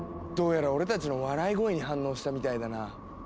どうやら俺たちの笑い声に反応したみたいだな。